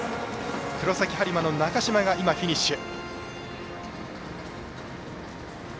黒崎播磨の中島がフィニッシュ。